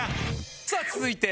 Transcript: さあ続いて。